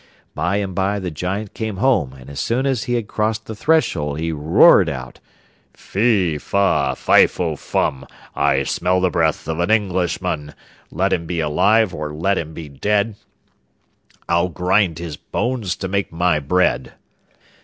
By and by the Giant came home, and as soon as he had crossed the threshold he roared out: 'Fe, fa, fi fo fum, I smell the breath of an Englishman. Let him be alive or let him be dead, I'll grind his bones to make my bread.